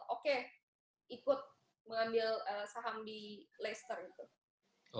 oke ikut mengambil saham di leicester itu